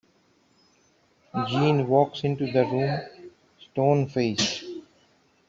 Jean walks into the room, stone-faced.